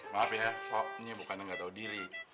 maaf ya kok ini bukannya gak tau diri